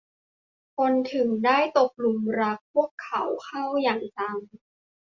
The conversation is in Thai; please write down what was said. คนถึงได้ตกหลุมรักพวกเขาเข้าอย่างจัง